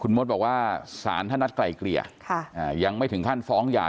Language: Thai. คุณมดบอกว่าศาลท่านนัดไก่เกลี่ยค่ะอ่ายังไม่ถึงท่านฟ้องหย่า